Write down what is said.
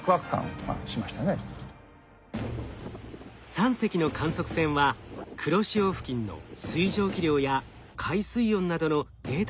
３隻の観測船は黒潮付近の水蒸気量や海水温などのデータ収集に臨みました。